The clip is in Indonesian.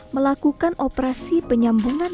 melakukan operasi penyambungan